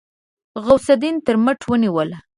غوث الدين تر مټ ونيوله.